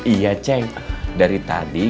iya ceng dari tadi